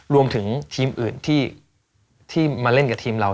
รวมถึงทีมอื่นที่มาเล่นกับทีมเรา